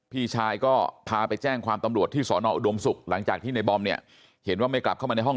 พี่ชายก็พาไปแจ้งความตำรวจที่สอนออุดมศุกร์หลังจากที่ในบอมเนี่ยเห็นว่าไม่กลับเข้ามาในห้อง